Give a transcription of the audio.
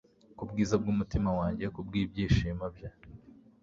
Ubwiza bwumutima wanjye kubwibyishimo bye